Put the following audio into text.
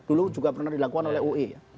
itu juga pernah dilakukan oleh ui